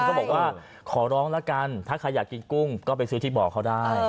เขาบอกว่าขอร้องแล้วกันถ้าใครอยากกินกุ้งก็ไปซื้อที่บ่อเขาได้